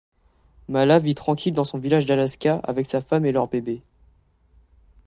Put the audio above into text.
Mala vit tranquille dans son village d'Alaska, avec sa femme et leur bébé.